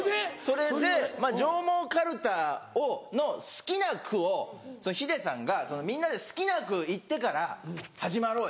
それで上毛かるたの好きな句をヒデさんが「みんなで好きな句言ってから始まろうよ」。